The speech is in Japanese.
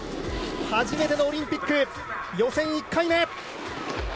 初めてのオリンピック予選１回目。